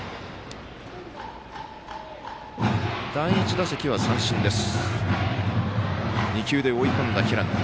第１打席は、三振です。